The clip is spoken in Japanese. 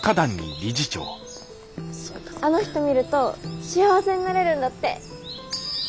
あの人見ると幸せになれるんだって。